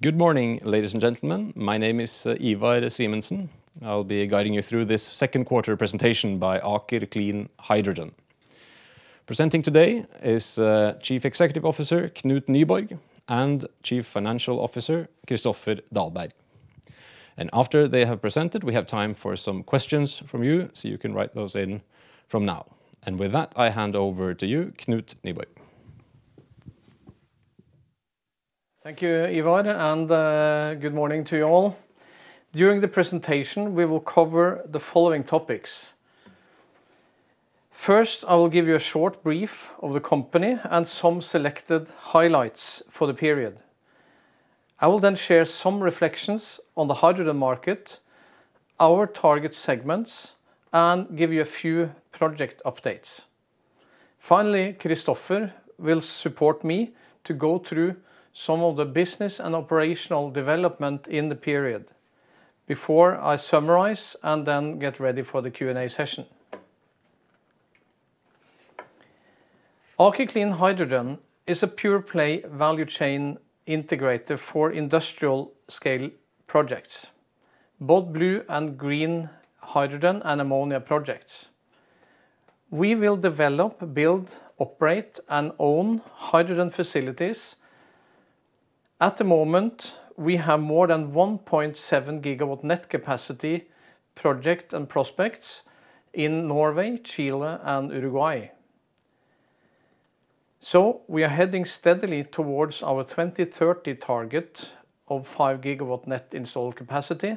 Good morning, ladies and gentlemen. My name is Ivar Simensen. I'll be guiding you through this second quarter presentation by Aker Clean Hydrogen. Presenting today is Chief Executive Officer, Knut Nyborg, and Chief Financial Officer, Kristoffer Dahlberg. After they have presented, we have time for some questions from you, so you can write those in from now. With that, I hand over to you, Knut Nyborg. Thank you, Ivar, and good morning to you all. During the presentation, we will cover the following topics. First, I will give you a short brief of the company and some selected highlights for the period. I will share some reflections on the hydrogen market, our target segments, and give you a few project updates. Finally, Kristoffer will support me to go through some of the business and operational development in the period before I summarize and then get ready for the Q&A session. Aker Clean Hydrogen is a pure-play value chain integrator for industrial scale projects, both blue and green hydrogen and ammonia projects. We will develop, build, operate, and own hydrogen facilities. At the moment, we have more than 1.7 GW net capacity project and prospects in Norway, Chile, and Uruguay. We are heading steadily towards our 2030 target of 5 GW net installed capacity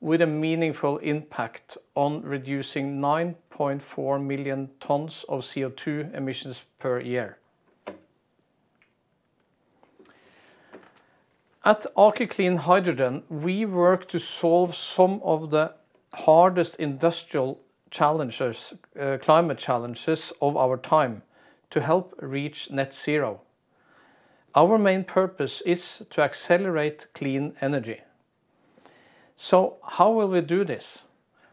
with a meaningful impact on reducing 9.4 million tons of CO2 emissions per year. At Aker Clean Hydrogen, we work to solve some of the hardest industrial climate challenges of our time to help reach net zero. Our main purpose is to accelerate clean energy. How will we do this?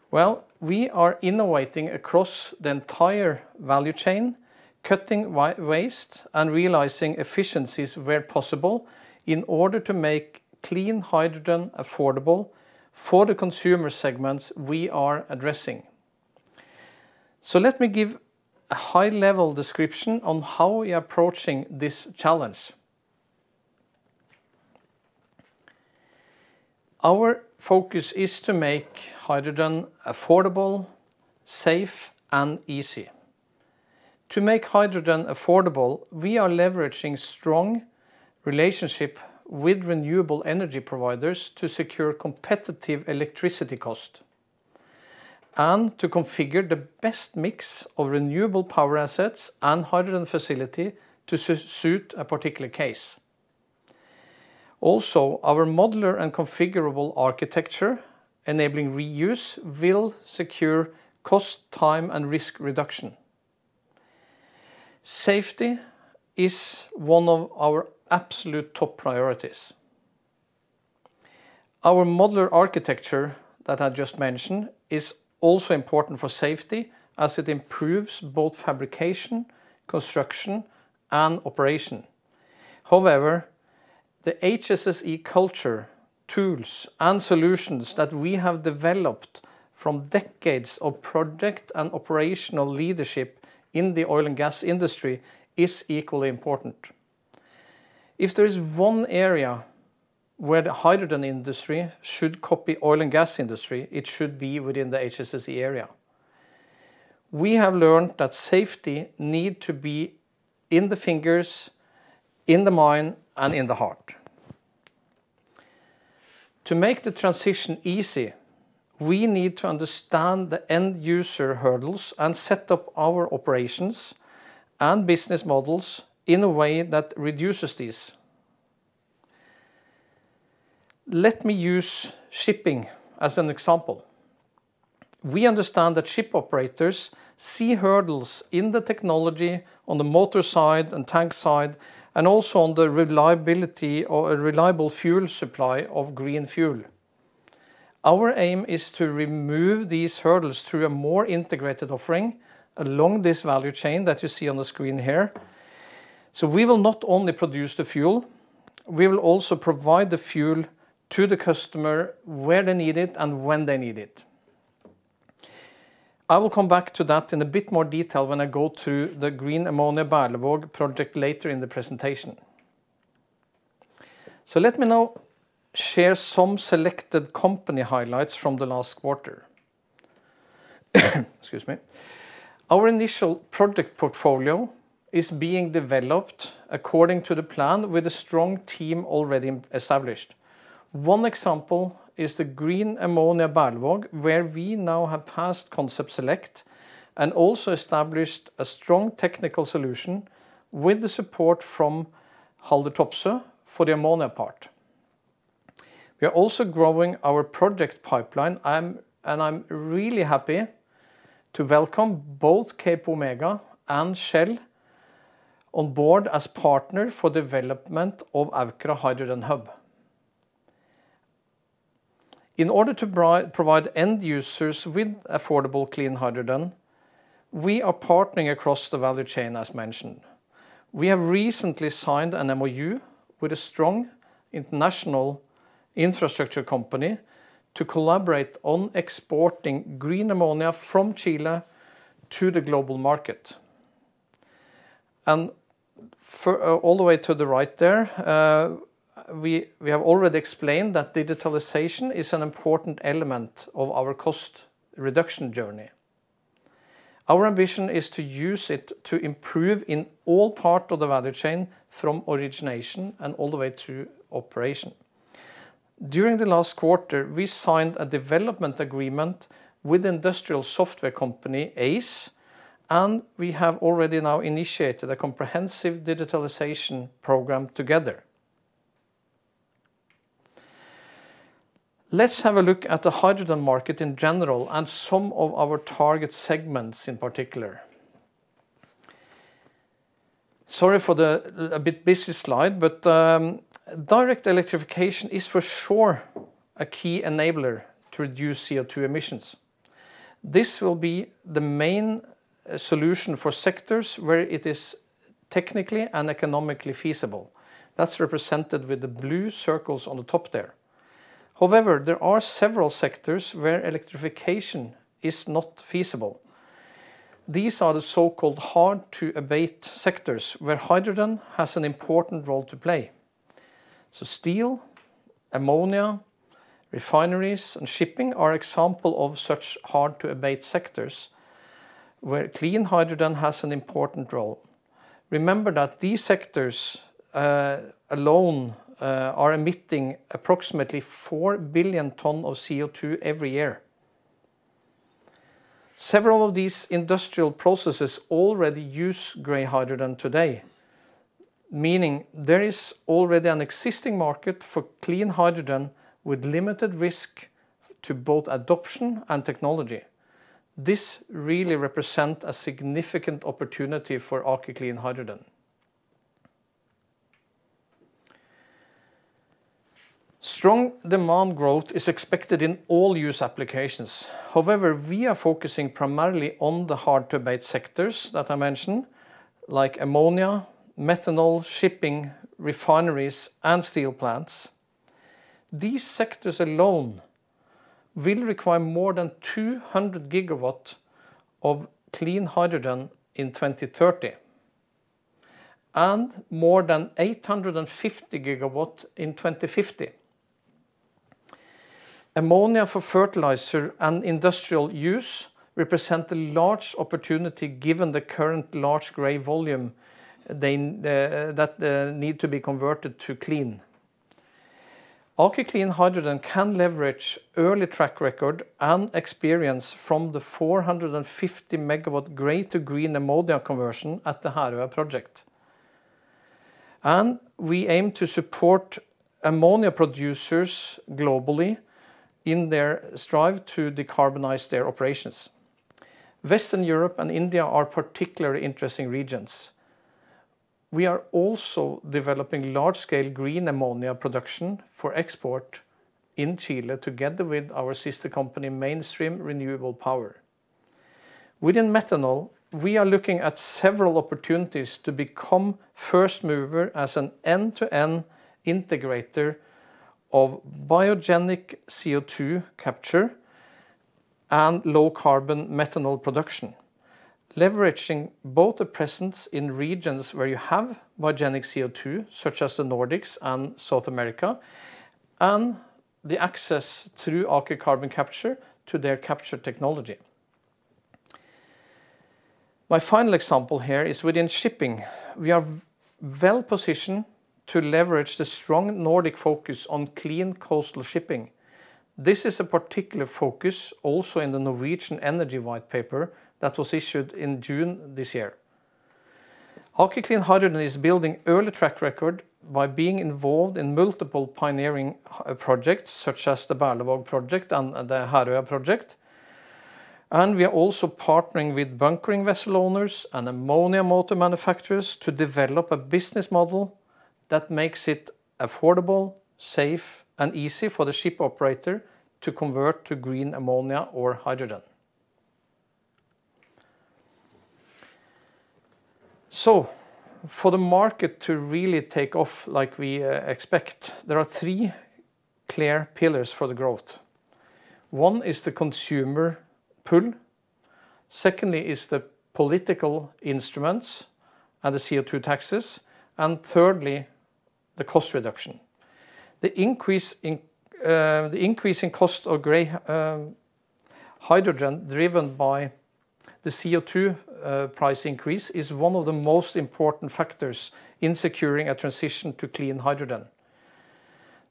Well, we are innovating across the entire value chain, cutting waste and realizing efficiencies where possible in order to make clean hydrogen affordable for the consumer segments we are addressing. Let me give a high-level description on how we are approaching this challenge. Our focus is to make hydrogen affordable, safe, and easy. To make hydrogen affordable, we are leveraging strong relationships with renewable energy providers to secure competitive electricity cost and to configure the best mix of renewable power assets and hydrogen facility to suit a particular case. Also, our modular and configurable architecture enabling reuse will secure cost, time, and risk reduction. Safety is one of our absolute top priorities. Our modular architecture that I just mentioned is also important for safety as it improves both fabrication, construction, and operation. However, the HSSE culture, tools, and solutions that we have developed from decades of project and operational leadership in the oil and gas industry is equally important. If there's one area where the hydrogen industry should copy oil and gas industry, it should be within the HSSE area. We have learned that safety needs to be in the fingers, in the mind, and in the heart. To make the transition easy, we need to understand the end-user hurdles and set up our operations and business models in a way that reduces these. Let me use shipping as an example. We understand that ship operators see hurdles in the technology on the motor side and tank side, and also on the reliability of a reliable fuel supply of green fuel. Our aim is to remove these hurdles through a more integrated offering along this value chain that you see on the screen here. We will not only produce the fuel, we will also provide the fuel to the customer where they need it and when they need it. I will come back to that in a bit more detail when I go to the Green Ammonia Berlevåg project later in the presentation. Let me now share some selected company highlights from the last quarter. Excuse me. Our initial project portfolio is being developed according to the plan with a strong team already established. One example is the Green Ammonia Berlevåg, where we now have passed concept select and also established a strong technical solution with the support from Haldor Topsoe for the ammonia part. I'm really happy to welcome both CapeOmega and Shell on board as partner for development of Aukra Hydrogen Hub. In order to provide end users with affordable clean hydrogen, we are partnering across the value chain, as mentioned. We have recently signed an MoU with a strong international infrastructure company to collaborate on exporting Green Ammonia from Chile to the global market. All the way to the right there, we have already explained that digitalization is an important element of our cost reduction journey. Our ambition is to use it to improve in all parts of the value chain from origination and all the way to operation. During the last quarter, we signed a development agreement with industrial software company Aize, and we have already now initiated a comprehensive digitalization program together. Let's have a look at the hydrogen market in general and some of our target segments in particular. Sorry for the a bit busy slide, but direct electrification is for sure a key enabler to reduce CO2 emissions. This will be the main solution for sectors where it is technically and economically feasible. That's represented with the blue circles on the top there. However, there are several sectors where electrification is not feasible. These are the so-called hard-to-abate sectors, where hydrogen has an important role to play. Steel, ammonia, refineries, and shipping are examples of such hard-to-abate sectors where clean hydrogen has an important role. Remember that these sectors alone are emitting approximately 4 billion tons of CO2 every year. Several of these industrial processes already use gray hydrogen today, meaning there is already an existing market for clean hydrogen with limited risk to both adoption and technology. This really represents a significant opportunity for Aker Clean Hydrogen. Strong demand growth is expected in all use applications. However, we are focusing primarily on the hard-to-abate sectors that I mentioned, like ammonia, methanol, shipping, refineries, and steel plants. These sectors alone will require more than 200 GW of clean hydrogen in 2030 and more than 850 GW in 2050. Ammonia for fertilizer and industrial use represents a large opportunity given the current large gray volume that needs to be converted to clean. Aker Clean Hydrogen can leverage early track record and experience from the 450 MW gray to Green Ammonia conversion at the Herøya project. We aim to support ammonia producers globally in their strive to decarbonize their operations. Western Europe and India are particularly interesting regions. We are also developing large-scale Green Ammonia production for export in Chile together with our sister company, Mainstream Renewable Power. Within methanol, we are looking at several opportunities to become first mover as an end-to-end integrator of biogenic CO2 capture and low-carbon methanol production, leveraging both the presence in regions where you have biogenic CO2, such as the Nordics and South America, and the access through Aker Carbon Capture to their capture technology. My final example here is within shipping. We are well-positioned to leverage the strong Nordic focus on clean coastal shipping. This is a particular focus also in the Norwegian Energy White Paper that was issued in June this year. Aker Clean Hydrogen is building early track record by being involved in multiple pioneering projects, such as the Berlevåg project and the Herøya project. We are also partnering with bunkering vessel owners and ammonia motor manufacturers to develop a business model that makes it affordable, safe, and easy for the ship operator to convert to Green Ammonia or Hydrogen. For the market to really take off like we expect, there are three clear pillars for the growth. One is the consumer pull. Secondly is the political instruments and the CO2 taxes. Thirdly, the cost reduction. The increase in cost of gray hydrogen driven by the CO2 price increase is one of the most important factors in securing a transition to clean hydrogen.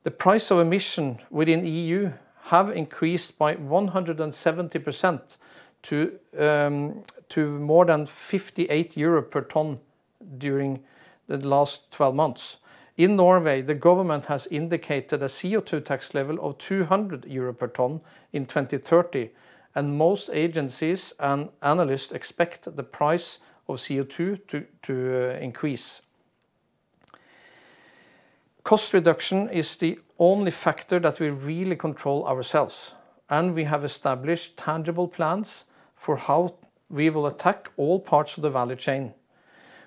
The price of emission within EU have increased by 170% to more than 58 euro per ton during the last 12 months. In Norway, the government has indicated a CO2 tax level of 200 euro per ton in 2030, and most agencies and analysts expect the price of CO2 to increase. Cost reduction is the only factor that we really control ourselves, and we have established tangible plans for how we will attack all parts of the value chain.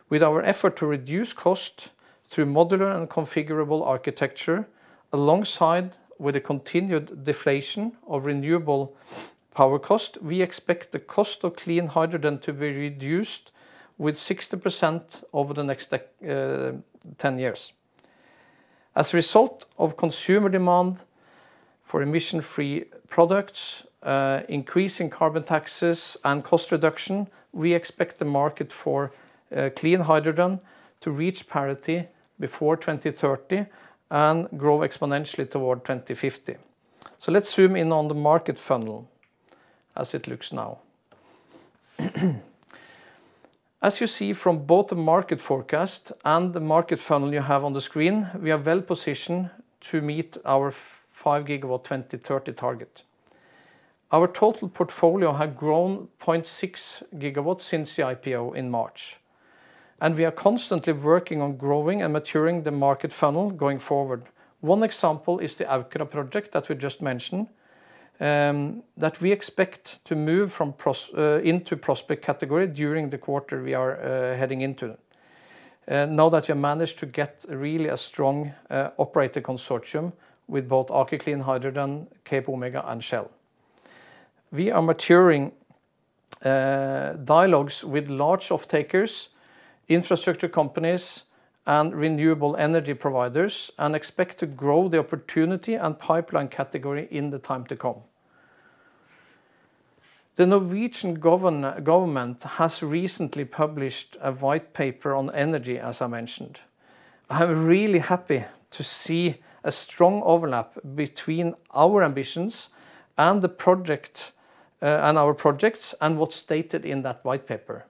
With our effort to reduce cost through modular and configurable architecture, alongside with the continued deflation of renewable power cost, we expect the cost of clean hydrogen to be reduced with 60% over the next 10 years. As a result of consumer demand for emission-free products, increasing carbon taxes and cost reduction, we expect the market for clean hydrogen to reach parity before 2030 and grow exponentially toward 2050. Let's zoom in on the market funnel as it looks now. As you see from both the market forecast and the market funnel you have on the screen, we are well positioned to meet our 5 GW 2030 target. Our total portfolio has grown 0.6 GW since the IPO in March, and we are constantly working on growing and maturing the market funnel going forward. One example is the Aukra project that we just mentioned, that we expect to move into prospect category during the quarter we are heading into. Now that we managed to get really a strong operator consortium with both Aker Clean Hydrogen, CapeOmega and Shell, we are maturing dialogues with large off takers, infrastructure companies and renewable energy providers, and expect to grow the opportunity and pipeline category in the time to come. The Norwegian government has recently published a white paper on energy, as I mentioned. I am really happy to see a strong overlap between our ambitions and our projects, and what is stated in that White Paper.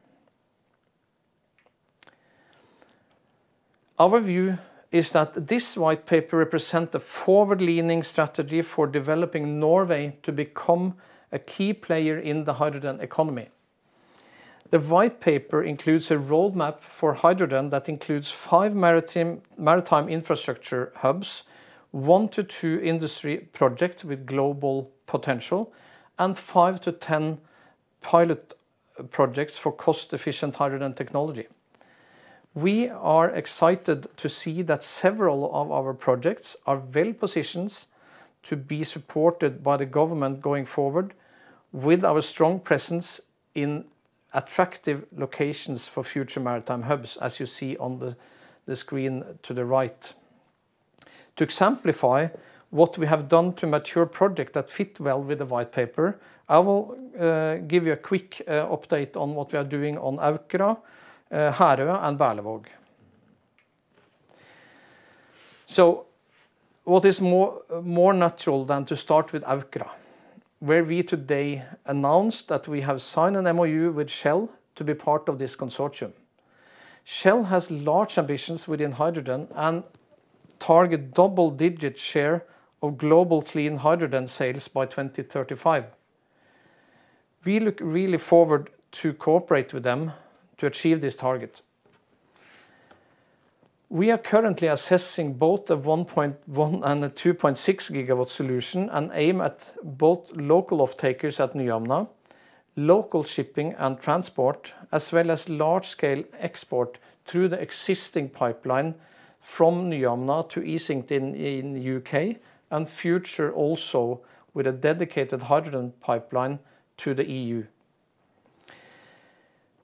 Our view is that this White Paper represents the forward leaning strategy for developing Norway to become a key player in the hydrogen economy. The White Paper includes a roadmap for hydrogen that includes five maritime infrastructure hubs, one-two industry projects with global potential, and 5-10 pilot projects for cost efficient hydrogen technology. We are excited to see that several of our projects are well positioned to be supported by the government going forward, with our strong presence in attractive locations for future maritime hubs as you see on the screen to the right. To exemplify what we have done to mature project that fit well with the White Paper, I will give you a quick update on what we are doing on Aukra, Herøya and Berlevåg. What is more natural than to start with Aukra, where we today announced that we have signed an MoU with Shell to be part of this consortium. Shell has large ambitions within hydrogen and target double-digit share of global clean hydrogen sales by 2035. We look really forward to cooperate with them to achieve this target. We are currently assessing both the 1.1 GW and the 2.6 GW solution and aim at both local offtakers at Nyhamna, local shipping and transport, as well as large scale export through the existing pipeline from Nyhamna to Easington in the U.K. and future also with a dedicated hydrogen pipeline to the E.U.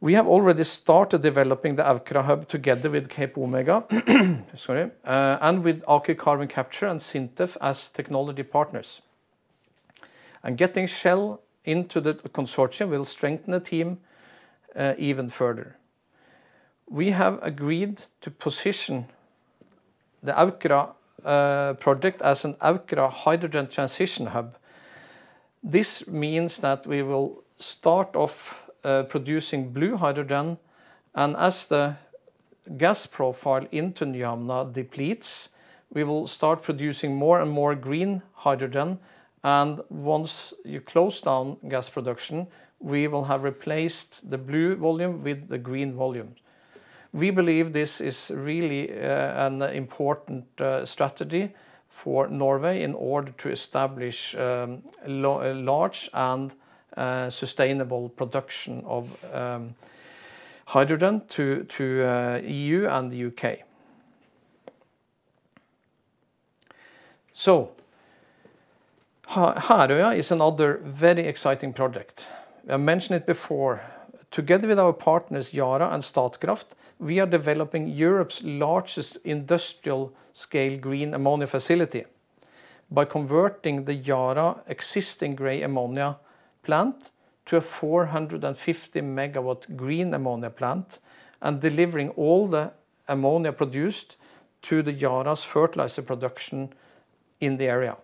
We have already started developing the Aukra Hub together with CapeOmega sorry, and with Aker Carbon Capture and SINTEF as technology partners. Getting Shell into the consortium will strengthen the team even further. We have agreed to position the Aukra project as an Aukra Hydrogen Transition Hub. This means that we will start off producing blue hydrogen and as the gas profile into Nyhamna depletes, we will start producing more and more green hydrogen, and once you close down gas production, we will have replaced the blue volume with the green volume. We believe this is really an important strategy for Norway in order to establish a large and sustainable production of hydrogen to E.U. and the U.K. Herøya is another very exciting project. I mentioned it before. Together with our partners Yara and Statkraft, we are developing Europe's largest industrial scale Green Ammonia facility by converting the Yara existing gray ammonia plant to a 450 MW Green Ammonia plant and delivering all the ammonia produced to the Yara's fertilizer production in the area.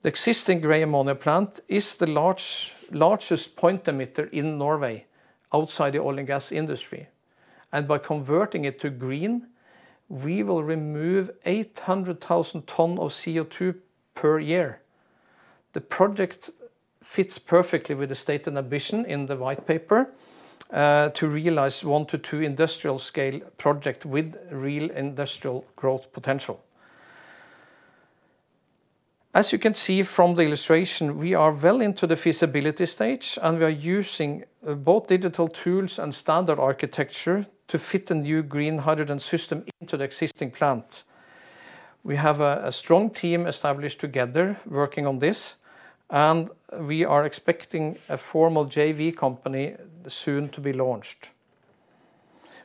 The existing gray ammonia plant is the largest point emitter in Norway outside the oil and gas industry. By converting it to green, we will remove 800,000 tons of CO2 per year. The project fits perfectly with the stated ambition in the White Paper to realize one to two industrial scale projects with real industrial growth potential. As you can see from the illustration, we are well into the feasibility stage, and we are using both digital tools and standard architecture to fit the new green hydrogen system into the existing plant. We have a strong team established together working on this, and we are expecting a formal JV company soon to be launched.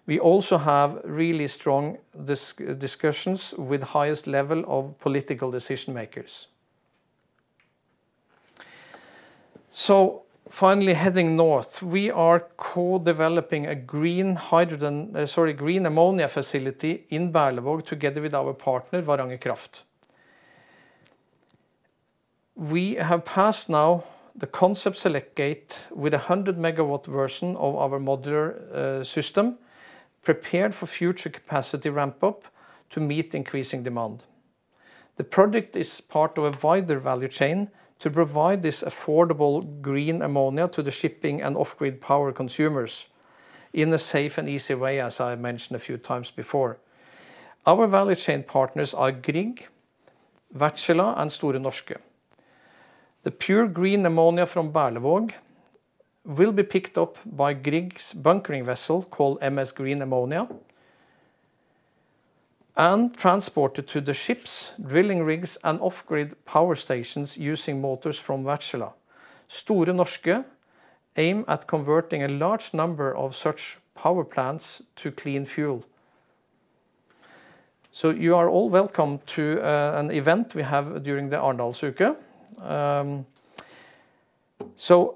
We also have really strong discussions with highest level of political decision makers. Finally, heading north, we are co-developing a Green Ammonia facility in Berlevåg together with our partner Varanger Kraft. We have passed now the concept select gate with 100 MW version of our modular system, prepared for future capacity ramp-up to meet increasing demand. The project is part of a wider value chain to provide this affordable Green Ammonia to the shipping and off-grid power consumers in a safe and easy way, as I mentioned a few times before. Our value chain partners are Grieg, Wärtsilä, and Store Norske. The pure Green Ammonia from Berlevåg will be picked up by Grieg's bunkering vessel, called MS Green Ammonia, and transported to the ships, drilling rigs, and off-grid power stations using motors from Wärtsilä. Store Norske aim at converting a large number of such power plants to clean fuel. You are all welcome to an event we have during the Arendalsuka.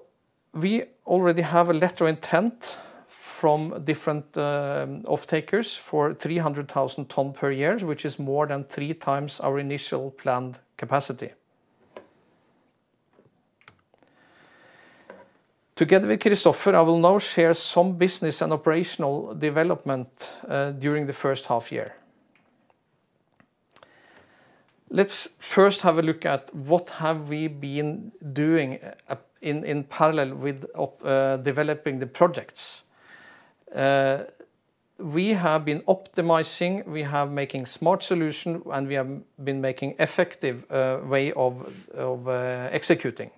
We already have a letter of intent from different off-takers for 300,000 tons per year, which is more than 3x our initial planned capacity. Together with Kristoffer, I will now share some business and operational development during the first half-year. Let's first have a look at what have we been doing in parallel with developing the projects. We have been optimizing, we have making smart solution, and we have been making effective way of executing.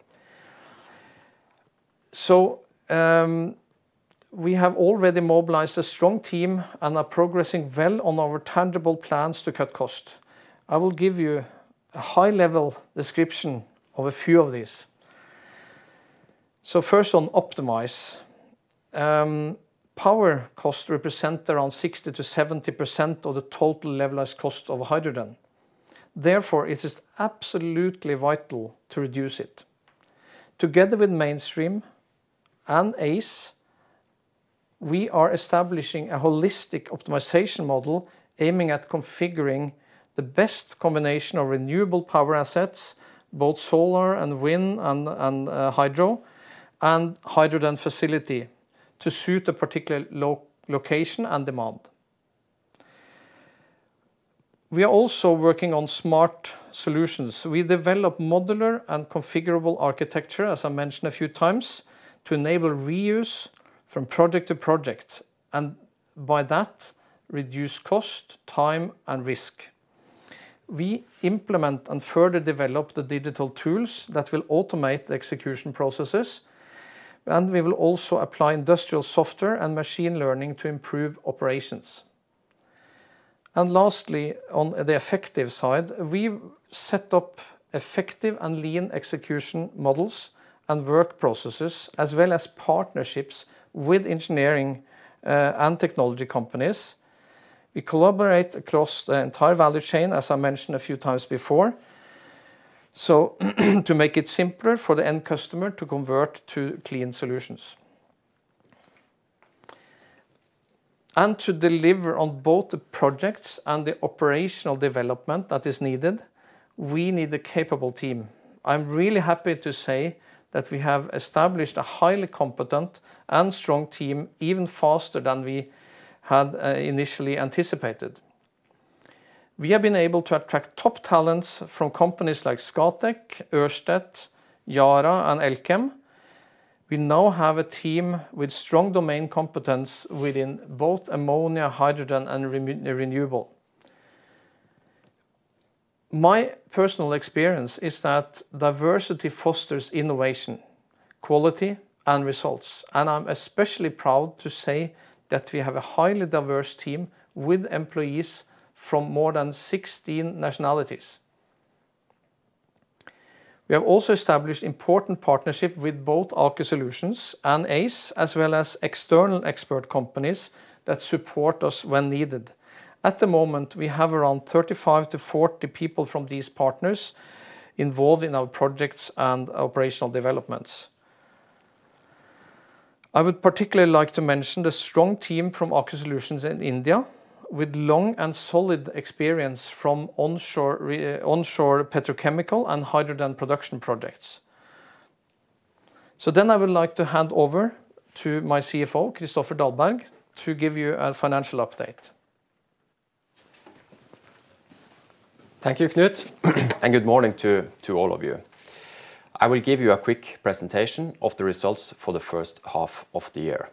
We have already mobilized a strong team and are progressing well on our tangible plans to cut cost. I will give you a high level description of a few of these. First on optimize. Power cost represent around 60%-70% of the total levelized cost of hydrogen. Therefore, it is absolutely vital to reduce it. Together with Mainstream and Aize, we are establishing a holistic optimization model aiming at configuring the best combination of renewable power assets, both solar and wind and hydro, and hydrogen facility to suit a particular location and demand. We are also working on smart solutions. We develop modular and configurable architecture, as I mentioned a few times, to enable reuse from project to project, and by that, reduce cost, time, and risk. We implement and further develop the digital tools that will automate the execution processes, and we will also apply industrial software and machine learning to improve operations. Lastly, on the effective side, we set up effective and lean execution models and work processes, as well as partnerships with engineering and technology companies. We collaborate across the entire value chain, as I mentioned a few times before, to make it simpler for the end customer to convert to clean solutions. To deliver on both the projects and the operational development that is needed, we need a capable team. I'm really happy to say that we have established a highly competent and strong team even faster than we had initially anticipated. We have been able to attract top talents from companies like Scatec, Ørsted, Yara, and Elkem. We now have a team with strong domain competence within both ammonia, hydrogen, and renewable. My personal experience is that diversity fosters innovation, quality, and results, and I'm especially proud to say that we have a highly diverse team with employees from more than 16 nationalities. We have also established important partnership with both Aker Solutions and Aize, as well as external expert companies that support us when needed. At the moment, we have around 35 to 40 people from these partners involved in our projects and operational developments. I would particularly like to mention the strong team from Aker Solutions in India with long and solid experience from onshore petrochemical and hydrogen production projects. I would like to hand over to my CFO, Kristoffer Dahlberg, to give you a financial update. Thank you, Knut, and good morning to all of you. I will give you a quick presentation of the results for the first half of the year.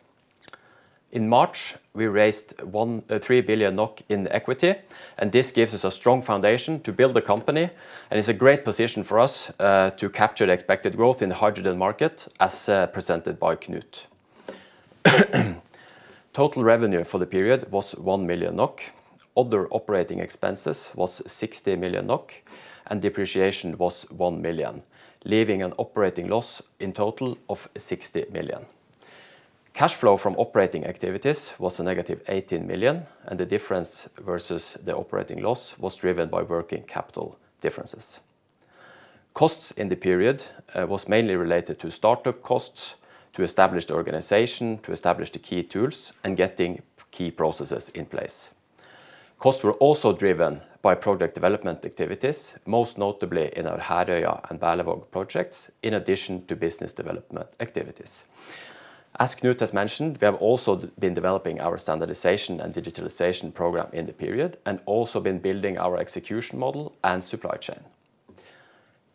In March, we raised 3 billion NOK in equity. This gives us a strong foundation to build the company and is a great position for us to capture the expected growth in the hydrogen market as presented by Knut. Total revenue for the period was 1 million NOK. Other operating expenses was 60 million NOK and depreciation was 1 million, leaving an operating loss in total of 60 million. Cash flow from operating activities was a negative 18 million. The difference versus the operating loss was driven by working capital differences. Costs in the period was mainly related to startup costs, to establish the organization, to establish the key tools, and getting key processes in place. Costs were also driven by project development activities, most notably in our Herøya and Berlevåg projects, in addition to business development activities. As Knut has mentioned, we have also been developing our standardization and digitalization program in the period and also been building our execution model and supply chain.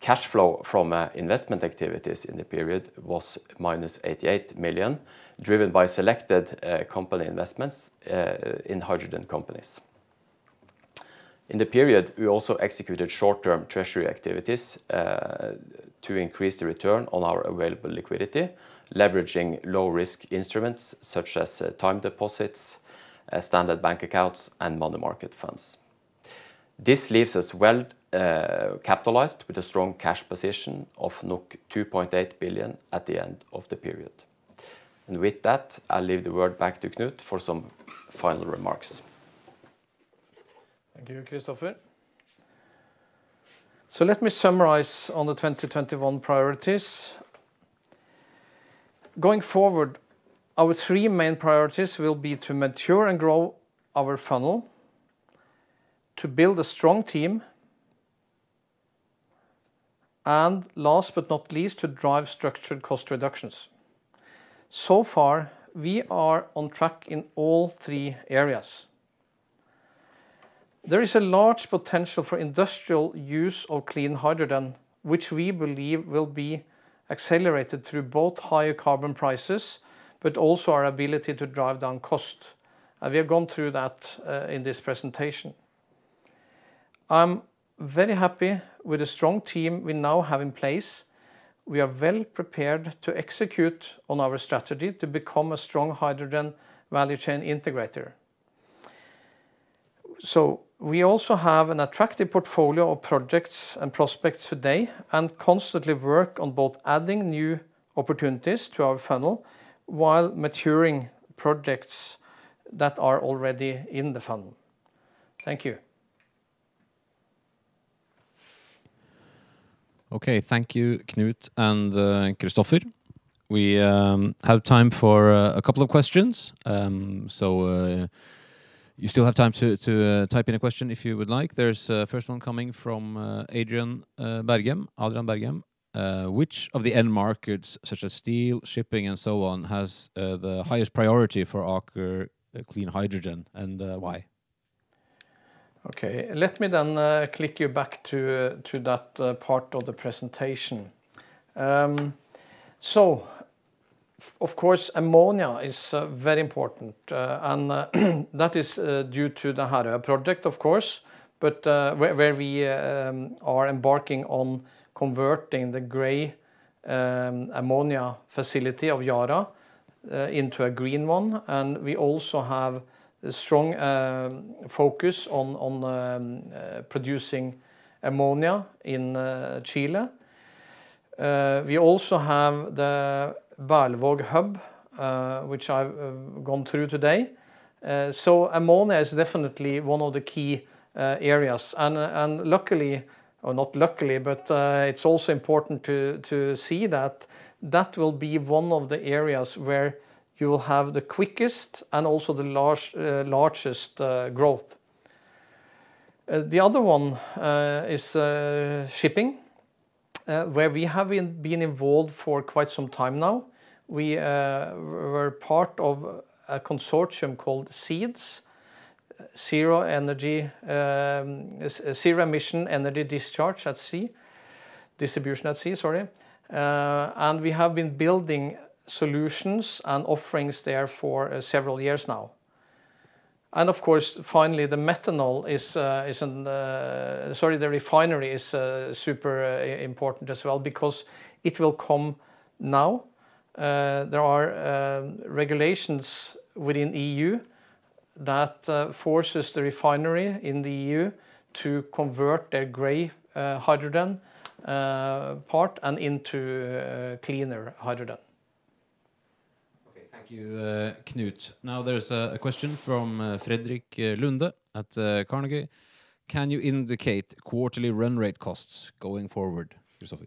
Cash flow from investment activities in the period was -88 million, driven by selected company investments in hydrogen companies. In the period, we also executed short-term treasury activities to increase the return on our available liquidity, leveraging low-risk instruments such as time deposits, standard bank accounts, and money market funds. This leaves us well capitalized with a strong cash position of 2.8 billion at the end of the period. With that, I'll leave the word back to Knut for some final remarks. Thank you, Kristoffer. Let me summarize on the 2021 priorities. Going forward, our three main priorities will be to mature and grow our funnel, to build a strong team, and last but not least, to drive structured cost reductions. So far, we are on track in all three areas. There is a large potential for industrial use of clean hydrogen, which we believe will be accelerated through both higher carbon prices, but also our ability to drive down cost. We have gone through that in this presentation. I'm very happy with the strong team we now have in place. We are well prepared to execute on our strategy to become a strong hydrogen value chain integrator. We also have an attractive portfolio of projects and prospects today and constantly work on both adding new opportunities to our funnel while maturing projects that are already in the funnel. Thank you. Okay. Thank you, Knut and Kristoffer. We have time for a couple of questions. You still have time to type in a question if you would like. There's a first one coming from [Adrian Bergen]. "Which of the end markets, such as steel, shipping, and so on, has the highest priority for Aker Clean Hydrogen, and why? Let me then click you back to that part of the presentation. Of course, ammonia is very important, and that is due to the Herøya project, of course, where we are embarking on converting the gray ammonia facility of Yara into a green one. We also have a strong focus on producing ammonia in Chile. We also have the Berlevåg hub, which I've gone through today. Ammonia is definitely one of the key areas. Luckily, or not luckily, but it's also important to see that that will be one of the areas where you'll have the quickest and also the largest growth. The other one is shipping, where we have been involved for quite some time now. We were part of a consortium called ZEEDS, Zero Emission Energy Distribution at Sea. We have been building solutions and offerings there for several years now. Of course, finally, the refinery is super important as well because it will come now. There are regulations within E.U. that forces the refinery in the E.U. to convert their gray hydrogen part and into cleaner hydrogen. Okay, thank you, Knut. Now there's a question from Frederik Lunde at Carnegie. "Can you indicate quarterly run rate costs going forward?" Kristoffer?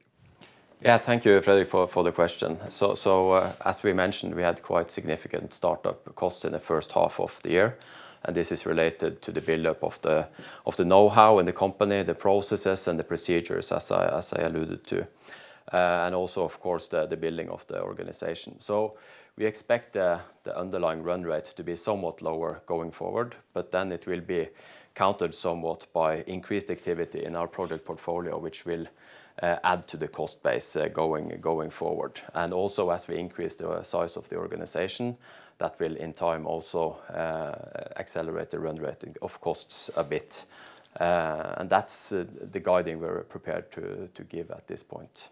Thank you, Frederik, for the question. As we mentioned, we had quite significant startup costs in the first half of the year. This is related to the buildup of the know-how in the company, the processes and the procedures, as I alluded to. Also, of course, the building of the organization. We expect the underlying run rate to be somewhat lower going forward. It will be countered somewhat by increased activity in our project portfolio, which will add to the cost base going forward. As we increase the size of the organization, that will in time also accelerate the run rate of costs a bit. That's the guiding we're prepared to give at this point.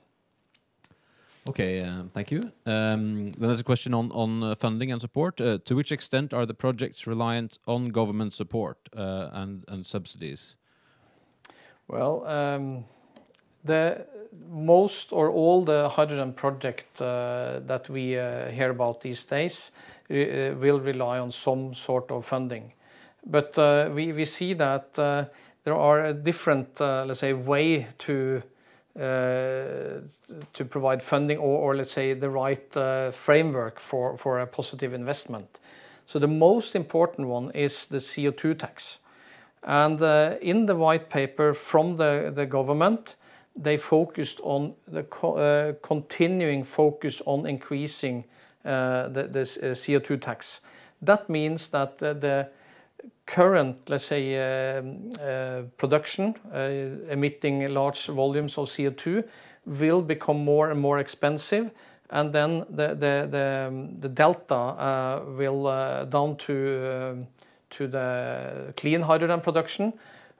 Okay, thank you. There's a question on funding and support. To which extent are the projects reliant on government support and subsidies? Most or all the hydrogen projects that we hear about these days will rely on some sort of funding. We see that there are different ways to provide funding or the right framework for a positive investment. The most important one is the CO2 tax. In the white paper from the government, they focused on the continuing focus on increasing the CO2 tax. That means that the current production emitting large volumes of CO2 will become more and more expensive, and then the delta down to the clean hydrogen production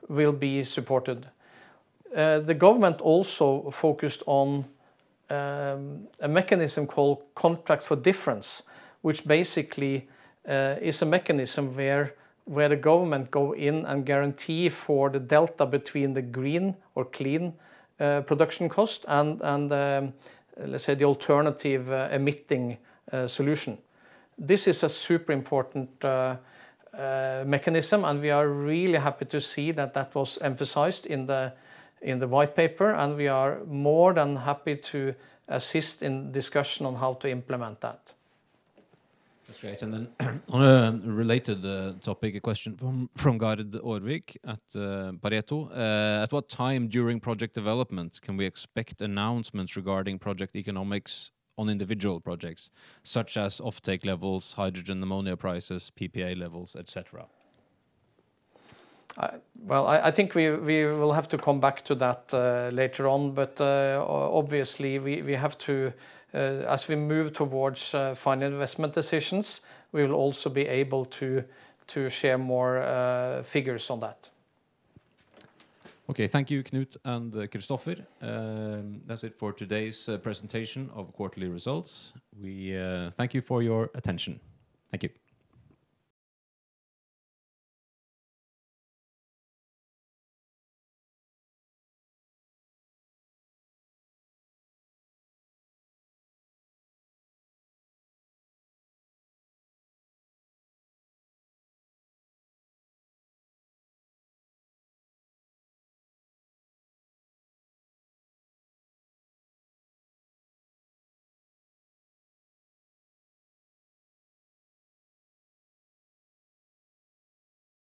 will be supported. The government also focused on a mechanism called Contract for Difference, which basically is a mechanism where the government go in and guarantee for the delta between the green or clean production cost and the alternative emitting solution. This is a super important mechanism, and we are really happy to see that that was emphasized in the white paper, and we are more than happy to assist in discussion on how to implement that. That's great. On a related topic, a question from Gard Aarvik at Pareto. At what time during project development can we expect announcements regarding project economics on individual projects, such as offtake levels, hydrogen ammonia prices, PPA levels, et cetera? I think we will have to come back to that later on. Obviously, as we move towards final investment decisions, we'll also be able to share more figures on that. Okay, thank you, Knut and Kristoffer. That's it for today's presentation of quarterly results. We thank you for your attention. Thank you.